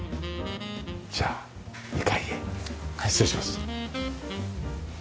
じゃあ２階へ失礼します。